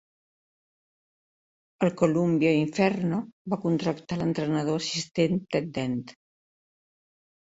El Columbia Inferno va contractar l'entrenador assistent Ted Dent.